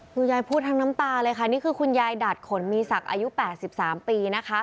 คุณยายพูดทั้งน้ำตาเลยค่ะนี่คือคุณยายดาดขนมีสักอายุ๘๓แล้ว